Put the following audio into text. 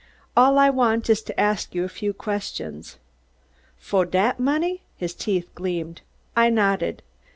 "All I want is to ask you a few questions." "Fo' dat money?" His teeth gleamed. I nodded.